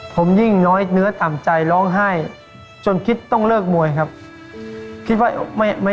ผมยิ่งน้อยเนื้อต่ำใจร้องไห้จนคิดต้องเลิกมวยครับคิดว่าไม่ไม่